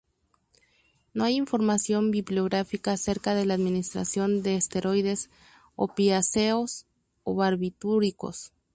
No hay información bibliográfica acerca de la administración de esteroides, opiáceos o barbitúricos.